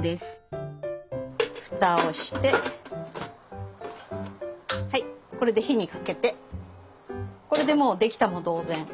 フタをしてはいこれで火にかけてこれでもうできたも同然。